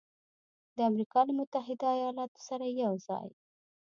د امریکا له متحده ایالاتو سره یوځای